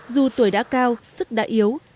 dù tuổi đã cao sức đã yếu